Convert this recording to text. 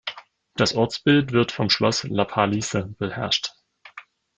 Das Ortsbild wird vom Schloss Lapalisse beherrscht.